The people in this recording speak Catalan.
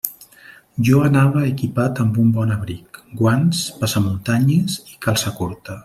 Jo anava equipat amb un bon abric, guants, passamuntanyes i calça curta.